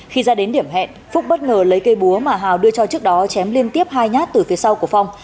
khi ra đến điểm hẹn phúc bất ngờ lấy cây búa mà hào đưa cho trước đó chém liên tiếp hai nhát từ phía sau của phong